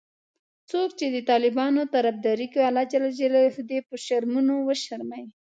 څوک چې د طالبانو طرفداري کوي الله دي په شرمونو وشرموي